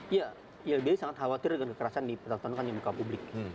ylbhi sangat khawatir dengan kekerasan dipertontonkan yang bukan publik